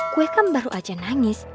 gue kan baru aja nangis